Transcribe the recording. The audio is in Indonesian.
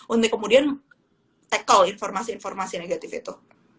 untuk kemudian tackle informasi informasi negatif itu